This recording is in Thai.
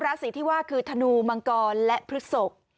ราศีที่ว่าคือธนูมังกรและพฤศก